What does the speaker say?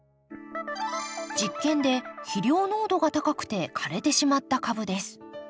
実験で肥料濃度が高くて枯れてしまった株です。